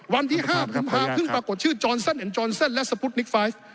วันที่๕มะกะลาเพิ่งปรากฏชื่อจอนเซ็นเอ็นด์จอนเซ็นและสะพุทนิกไฟส์